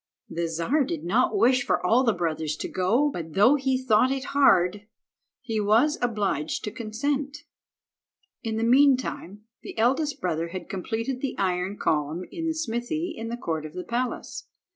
The Czar did not wish for all the brothers to go, but though he thought it hard, he was obliged to consent. In the meantime the eldest brother had completed the iron column in the smithy in the court of the palace.